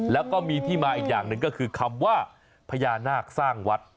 แล้วก็มีที่มาอีกอย่างหนึ่งก็คือคำว่าพญานาคสร้างวัด